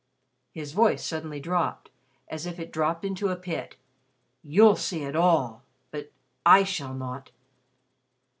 His voice suddenly dropped as if it dropped into a pit. "You'll see it all. But I shall not."